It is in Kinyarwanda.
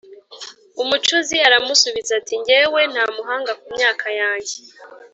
Umucuzi aramusubiza ati: “Ngewe Ntamuhanga ku myaka yange